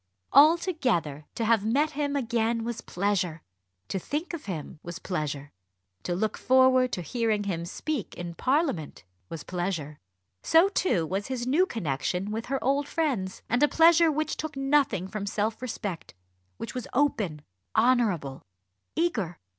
Altogether, to have met him again was pleasure; to think of him was pleasure; to look forward to hearing him speak in Parliament was pleasure; so too was his new connection with her old friends. And a pleasure which took nothing from self respect; which was open, honourable, eager.